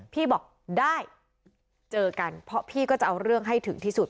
พี่บอกได้เจอกันเพราะพี่ก็จะเอาเรื่องให้ถึงที่สุด